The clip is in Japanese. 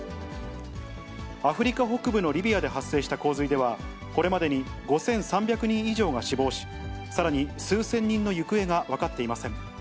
アフリカ北部のリビアで発生した洪水では、これまでに５３００人以上が死亡し、さらに数千人の行方が分かっていません。